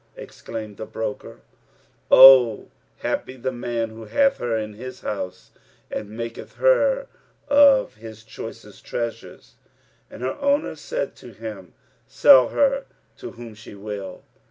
Exclaimed the broker, "O happy the man who hath her in his house and maketh her of his choicest treasures!"; and her owner said to him, "Sell her to whom she will."